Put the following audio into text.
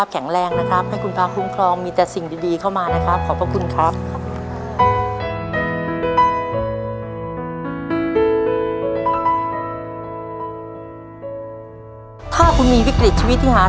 อยากได้ผู้ช่วยไหม